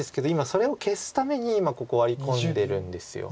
それを消すために今ここワリ込んでるんです。